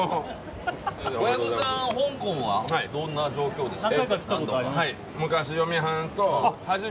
小籔さん、香港はどんな状況ですか。